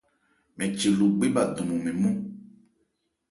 Mɛn che Logbe bha dɔnman mɛn nmɔ́n.